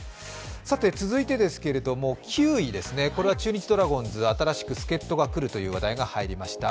続いてですけれども、９位ですね、これは中日ドラゴンズ、新しく助っとが来るという話題が入りました。